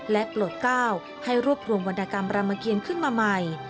และโปรดก้าวให้รวบรวมวรรณกรรมรามเกียรขึ้นมาใหม่